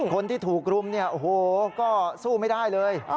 คนที่ถูกรุมเนี่ยโอ้โหก็สู้ไม่ได้เลย